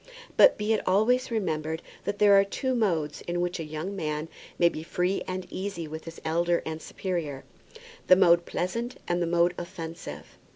But be it always remembered that there are two modes in which a young man may be free and easy with his elder and superior, the mode pleasant and the mode offensive.